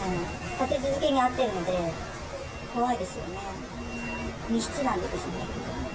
立て続けにあっているので、怖いですよね、密室なので。